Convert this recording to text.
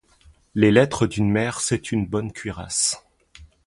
Les lettres d’une mère, c’est une bonne cuirasse.